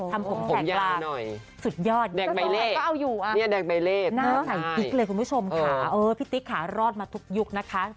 ทำผมแข็งล่ะสุดยอดนี่นี่แดกใบเลทน่าใส่ติ๊กเลยคุณผู้ชมค่ะพี่ติ๊กขารอดมาทุกยุคนะคะ